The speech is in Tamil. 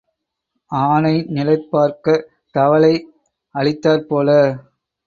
ஆனை நிழல் பார்க்கத் தவளை அழித்தாற் போல.